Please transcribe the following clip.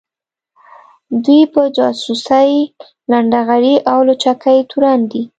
دوی په جاسوۍ ، لنډغري او لوچکۍ تورن دي